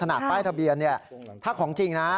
ขณะป้ายทะเบียนถ้าของจริงนะ